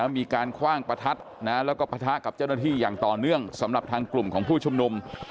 มีการคว่างประทัดแล้วก็ปะทะกับเจ้าหน้าที่อย่างต่อเนื่องสำหรับทางกลุ่มของผู้ชุมนุม